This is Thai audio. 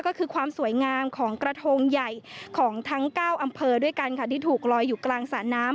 ก็คือความสวยงามของกระทงใหญ่ของทั้ง๙อำเภอด้วยกันค่ะที่ถูกลอยอยู่กลางสระน้ำ